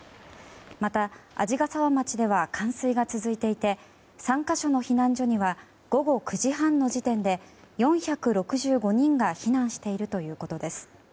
また、鰺ヶ沢町では冠水が続いていて３か所の避難所には午後９時半の時点で４６５人が避難しているということです。